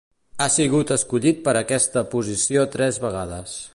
Ha sigut escollit per a aquesta posició tres vegades.